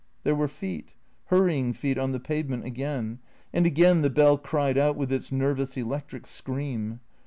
There were feet, hurrying feet on the pavement again, and again the hell cried out with its nervous electric scream.